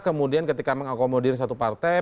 kemudian ketika mengakomodir satu partai